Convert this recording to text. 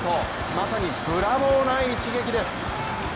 まさにブラボーな一撃です。